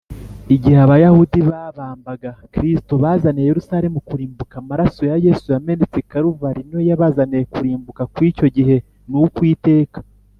igihe abayahudi babambaga kristo, bazaniye yerusalemu kurimbuka amaraso ya yesu yamenetse i kaluvari niyo yabazaniye kurimbuka kw’icyo gihe n’ukw’iteka